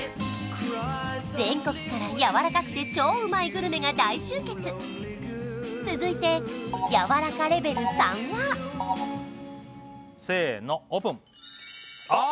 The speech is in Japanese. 全国からやわらかくて超うまいグルメが大集結続いてやわらかレベル３はせーのオープンああ！